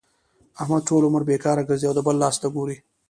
احمد ټول عمر بېکاره ګرځي او د بل لاس ته ګوري.